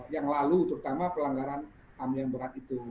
yang lalu terutama pelanggaran ham yang berat itu